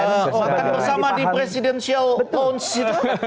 oh akan bersama di presidential council